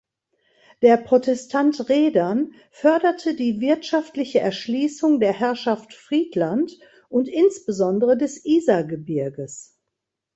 Der Protestant Redern förderte die wirtschaftliche Erschließung der Herrschaft Friedland und insbesondere des Isergebirges.